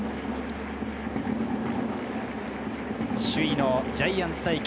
首位のジャイアンツ対